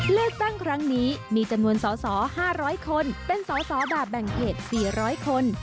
เลือกตั้งครั้งนี้มีจำนวนสอสอ๕๐๐คนเป็นสอสอแบบแบ่งเขต๔๐๐คน